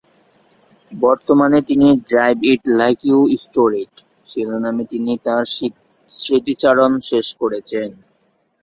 বর্তমানে তিনি "drive it like you store it" শিরোনামে তিনি তার স্মৃতিচারণ শেষ করছেন।